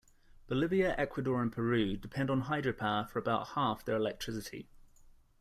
Bolivia, Ecuador and Peru depend on hydropower for about half their electricity.